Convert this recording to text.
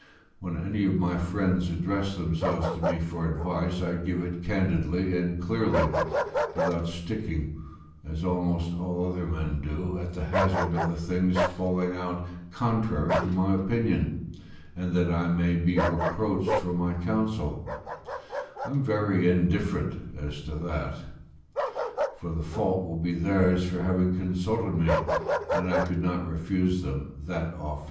When any of my friends address themselves to me for advice, I give it candidly and clearly, without sticking, as almost all other men do, at the hazard of the thing's falling out contrary to my opinion, and that I may be reproached for my counsel; I am very indifferent as to that, for the fault will be theirs for having consulted me, and I could not refuse them that office.